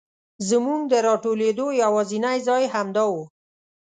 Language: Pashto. زمونږ د راټولېدو یواځینی ځای همدا و.